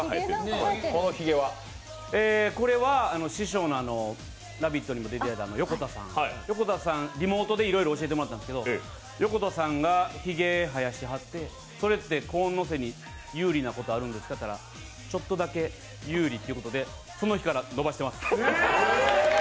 これは師匠の「ラヴィット！」にも出てた横田さんリモートでいろいろ教えてもらったんですけど、横田さんがひげ生やしてはってそれってコーンのせに有利なことあるんですかってことでちょっとだけ有利ということでその日から伸ばしてます。